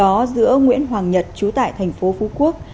theo điều tra ban đầu trước đó giữa nguyễn hoàng nhật chú tại tp phú quốc